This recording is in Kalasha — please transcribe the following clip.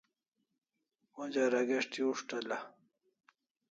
Onja rageshti ushta la?